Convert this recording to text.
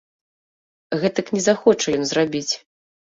Гэтак не захоча ён зрабіць.